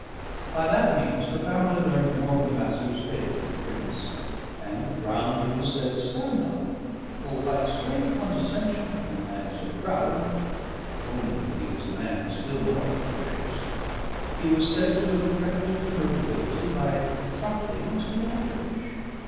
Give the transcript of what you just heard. By that means the family learned more of the Master's favour with the Prince, and the ground it was said to stand on: for by a strange condescension in a man so proud only that he was a man still more ambitious he was said to have crept into notability by truckling to the Irish.